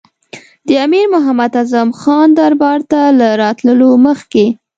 د امیر محمد اعظم خان دربار ته له راتللو مخکې.